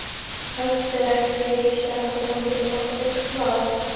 Hughes terá que se registrar como agressor sexual.